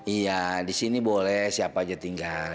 iya disini boleh siapa aja tinggal